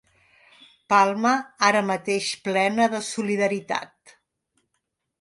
Palma ara mateix plena de solidaritat.